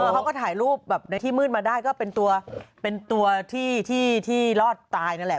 เขาก็ถ่ายรูปแบบในที่มืดมาได้ก็เป็นตัวที่รอดตายนั่นแหละ